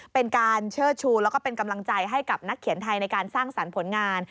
เป็นการเชิดชูแล้วก็เป็นกำลังใจให้กับนักเขียนไทยในการสร้างสรรค์ผลงาน